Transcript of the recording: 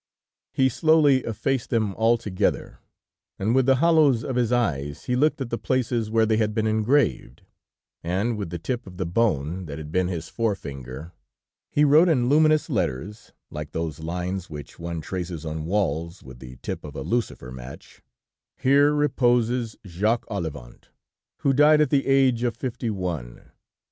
He slowly effaced them altogether, and with the hollows of his eyes he looked at the places where they had been engraved, and, with the tip of the bone, that had been his forefinger, he wrote in luminous letters, like those lines which one traces on walls with the tip of a lucifer match: "'_Here reposes Jacques Olivant, who died at the age of fifty one.